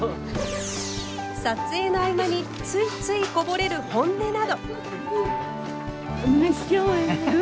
撮影の合間についついこぼれる本音など。